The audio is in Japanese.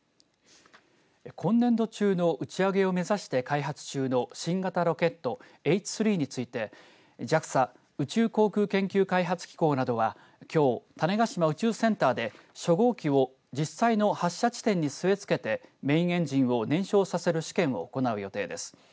今年度中の打ち上げを目指して開発中の新型ロケットＨ３についてＪＡＸＡ＝宇宙航空研究開発機構などはきょう、種子島宇宙センターで初号機を実際の発射地点に据えつけてメインエンジンを燃焼させる試験を行う予定です。